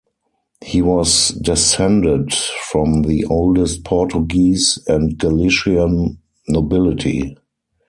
He was descended from the oldest Portuguese and Galician nobility.